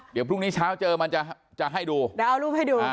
เดี๋ยวพรุ่งนี้เช้าเจอมันจะจะให้ดูเดี๋ยวเอารูปให้ดู